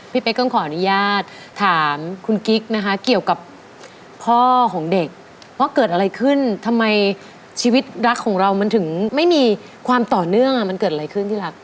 เป๊กต้องขออนุญาตถามคุณกิ๊กนะคะเกี่ยวกับพ่อของเด็กว่าเกิดอะไรขึ้นทำไมชีวิตรักของเรามันถึงไม่มีความต่อเนื่องมันเกิดอะไรขึ้นที่รัก